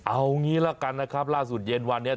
เอางี้ละกันนะครับล่าสุดเย็นวันนี้